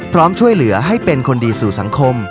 พร้อมช่วยเหลือให้เป็นคนดีสู่สังคม